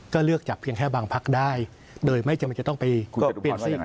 ก็เลือกจากเพียงแค่บางพักได้โดยไม่จำเป็นจะต้องไปเปลี่ยนซีก